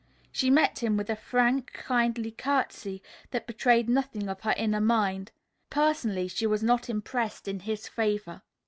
She met him with a frank, kindly courtesy that betrayed nothing of her inner mind. Personally, she was not impressed in his favor.